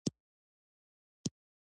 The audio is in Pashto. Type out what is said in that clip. په لویدیزه نړۍ کې یې پراخه هرکلی وشو.